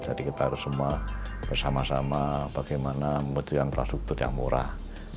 jadi kita harus semua bersama sama bagaimana membuat infrastruktur yang murah